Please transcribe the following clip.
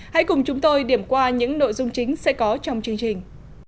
hãy cùng chúng tôi điểm qua những nội dung chính sẽ có trong chương trình